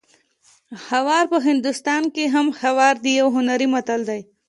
خوار په هندوستان هم خوار دی یو هنري متل دی